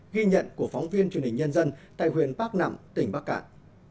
ghi nhận của phóng viên truyền hình nhân dân tại huyện bắc nẵm tỉnh bắc cạn